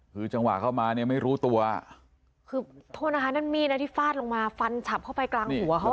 คือจังหวะเข้ามาเนี่ยไม่รู้ตัวคือโทษนะคะนั่นมีดนะที่ฟาดลงมาฟันฉับเข้าไปกลางหัวเขาอ่ะ